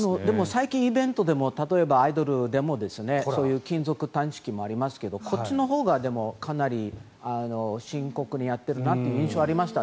最近イベントでもアイドルでも金属探知機もありますがこっちのほうがかなり深刻にやっているなという印象がありました。